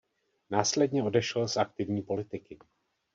Následně odešel z aktivní politiky.